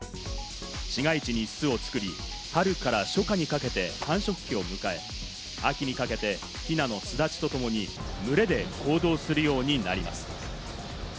市街地に巣を作り、春から初夏にかけて繁殖期を迎え、秋にかけて、ひなの巣立ちとともに群れで行動するようになります。